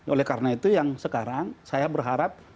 oleh karena itu yang sekarang saya berharap